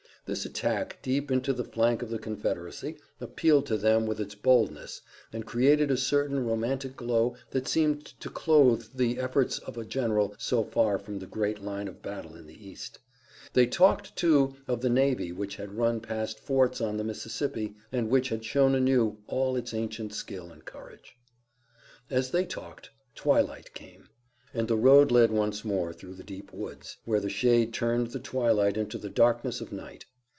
This attack deep into the flank of the Confederacy appealed to them with its boldness, and created a certain romantic glow that seemed to clothe the efforts of a general so far from the great line of battle in the East. They talked, too, of the navy which had run past forts on the Mississippi, and which had shown anew all its ancient skill and courage. As they talked, twilight came, and the road led once more through the deep woods, where the shade turned the twilight into the darkness of night.